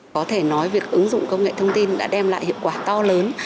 có thể nói việc ứng dụng công nghệ thông tin đã đem lại hiệu quả to lớn